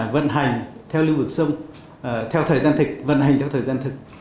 vận hành theo lưu vực sông theo thời gian thịnh vận hành theo thời gian thực